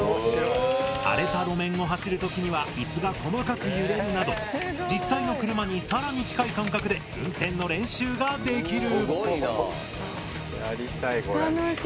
荒れた路面を走る時には椅子が細かく揺れるなど実際の車に更に近い感覚で運転の練習ができる。